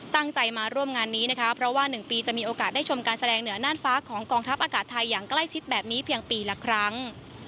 ตั้งใจมาร่วมงานนี้นะคะเพราะว่า๑ปีจะมีโอกาสได้ชมการแสดงเหนือน่านฟ้าของกองทัพอากาศไทยอย่างใกล้ชิดแบบนี้เพียงปีละครั้ง